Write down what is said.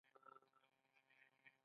زه پاک لیکم.